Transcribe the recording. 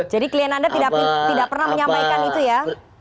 jadi klien anda tidak pernah menyampaikan itu ya